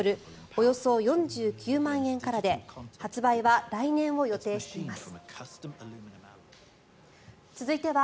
およそ４９万円からで発売は来年を予定しています。